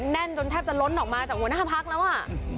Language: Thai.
แน่นจนแทบจะล้นออกมาจากหัวหน้าพักแล้วอ่ะ